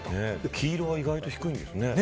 黄色は意外と低いんですね。